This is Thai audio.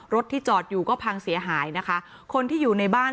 รถที่จอดอยู่ก็พังเสียหายนะคะคนที่อยู่ในบ้าน